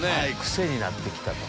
癖になって来たか。